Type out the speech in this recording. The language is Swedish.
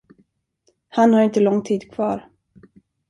Han har inte lång tid kvar.